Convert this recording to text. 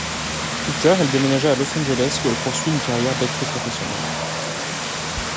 Plus tard, elle déménagea à Los Angeles où elle poursuit une carrière d'actrice professionnelle.